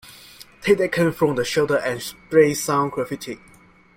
Take that can from the shelter and spray some graffiti.